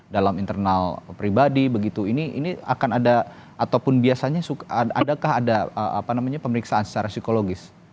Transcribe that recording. dalam internal pribadi begitu ini akan ada ataupun biasanya adakah ada pemeriksaan secara psikologis